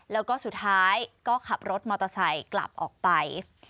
แล้วก็สุดท้ายก็ขับรถมอเตอร์ไซค์กลับออกไป